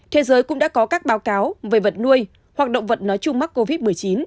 thế giới cũng đã có các báo cáo về vật nuôi hoặc động vật nói chung mắc covid một mươi chín